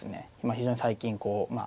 非常に最近こうまあ。